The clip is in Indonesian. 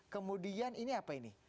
kemudian ini apa ini